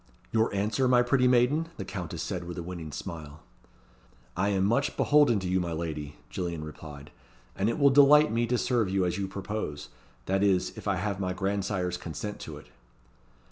"Your answer, my pretty maiden?" the Countess said, with a winning smile. "I am much beholden to you, my lady," Gillian replied, "and it will delight me to serve you as you propose that is, if I have my grandsire's consent to it."